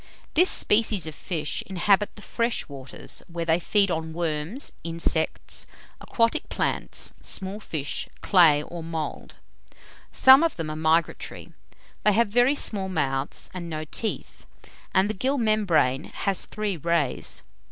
This species of fish inhabit the fresh waters, where they feed on worms, insects, aquatic plants, small fish, clay, or mould. Some of them are migratory. They have very small mouths and no teeth, and the gill membrane has three rays.